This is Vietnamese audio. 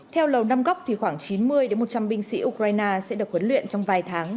theo lầu năm góc thì khoảng chín mươi một trăm linh binh sĩ ukraine sẽ được huấn luyện trong vài tháng